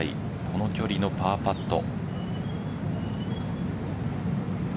この距離のパーパット。